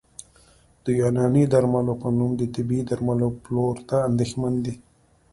د یوناني درملو په نوم د طبي درملو پلور ته اندېښمن دي